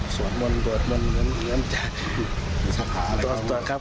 สวดมนต์เหมือนจะ